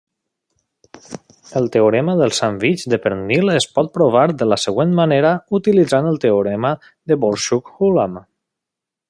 El teorema del sandvitx de pernil es pot provar de la següent manera utilitzant el teorema de Borsuk-Ulam.